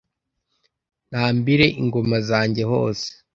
ntambire ingoma zange hose